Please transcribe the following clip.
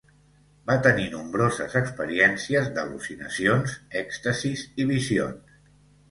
Va tenir nombroses experiències d'al·lucinacions, èxtasis i visions.